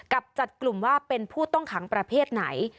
จัดกลุ่มว่าเป็นผู้ต้องขังประเภทไหน